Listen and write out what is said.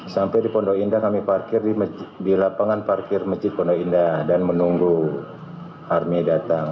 sampai di pondok indah kami parkir di lapangan parkir masjid pondok indah dan menunggu army datang